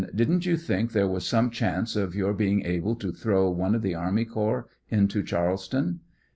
Didn't you think there was some chance of your being able to throw one of the army corps into Charles ton?